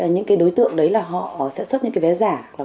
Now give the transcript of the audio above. những cái đối tượng đấy là họ sẽ xuất những cái vé giả